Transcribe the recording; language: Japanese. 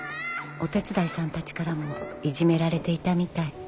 お手伝いさんたちからもいじめられていたみたい。